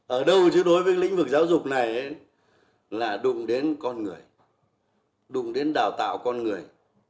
ở đâu chứ đối với lĩnh vực giáo dục này là đụng đến con người đụng đến đào tạo con người